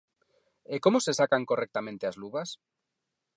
E como se sacan correctamente as luvas?